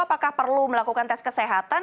apakah perlu melakukan tes kesehatan